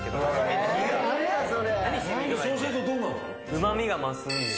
うま味が増すんです。